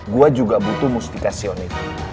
gua juga butuh mustika sione